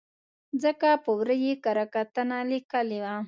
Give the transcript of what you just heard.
ځکه په ور ه یې کره کتنه لیکلې وه.